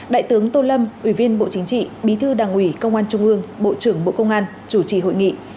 đại tướng tô lâm ủy viên bộ chính trị bí thư đảng ủy công an trung ương bộ trưởng bộ công an chủ trì hội nghị